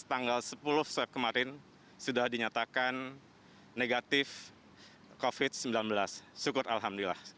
tanggal sepuluh swab kemarin sudah dinyatakan negatif covid sembilan belas syukur alhamdulillah